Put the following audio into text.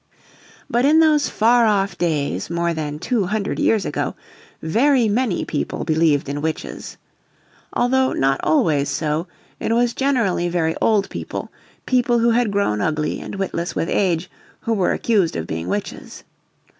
But in those far off days more than two hundred years ago very many people believed in witches. Although not always so, it was generally very old people, people who had grown ugly and witless with age who were accused of being witches.